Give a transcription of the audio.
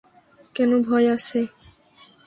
কেন ভয় আছে?